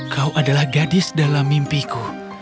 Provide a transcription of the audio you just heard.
kau adalah gadis dalam mimpiku